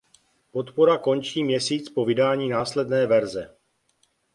Podpora končí měsíc po vydání následné verze.